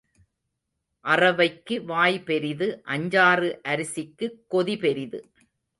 அறவைக்கு வாய் பெரிது அஞ்சாறு அரிசிக்குச் கொதி பெரிது.